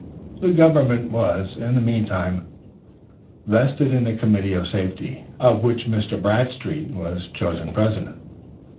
The government was, in the meantime, vested in a committee of safety, of which Mr. Bradstreet was chosen president.